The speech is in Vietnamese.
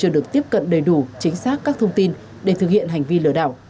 đầy đủ chính xác các thông tin để thực hiện hành vi lừa đảo